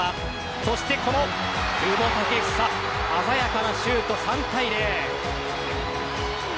そしてこの久保建英鮮やかなシュート、３対０。